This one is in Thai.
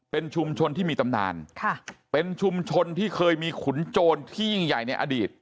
เป็นชุมชนที่มีตำนานค่ะเป็นชุมชนที่เคยมีขุนโจรที่ยิ่งใหญ่ในอดีต